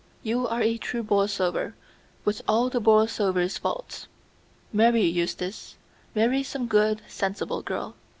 You are a true Borlsover, with all the Borlsover faults. Marry, Eustace. Marry some good, sensible girl.